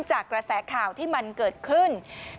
จากกระแสข่าวที่มันเกิดขึ้น